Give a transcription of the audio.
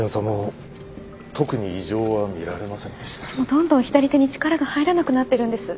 どんどん左手に力が入らなくなってるんです。